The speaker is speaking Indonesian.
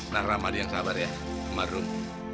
naramadi yang kabar ya sama run